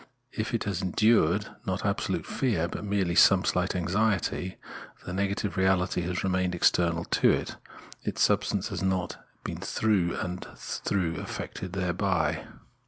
If it has endured not absolute fear, but merely some slight anxiety, the negative reahty has remained external to it, its substance has not been through and through infected thereby.